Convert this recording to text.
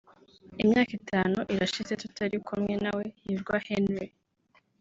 Imyaka itanu irashize tutari kumwe nawe (Hirwa Henry)